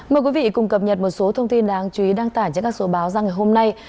mời quý vị cùng cập nhật một số thông tin đáng chú ý đăng tải trên các số báo ra ngày hôm nay